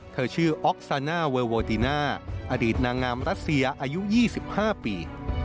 เธอชื่อออกซาน่าเวอร์โวติน่าอดีตนางงามรัสเซียอายุ๒๕ปี